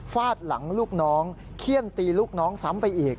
ฟาดหลังลูกน้องเขี้ยนตีลูกน้องซ้ำไปอีก